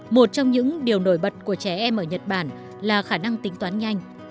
một trong những điều nổi bật của trẻ em ở nhật bản là khả năng tính toán nhanh